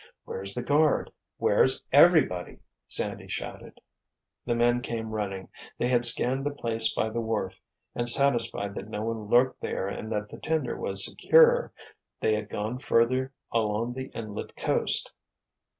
"Where's the guard—where's everybody?" Sandy shouted. The men came running. They had scanned the place by the wharf, and, satisfied that no one lurked there and that the tender was secure, they had gone further along the inlet coast.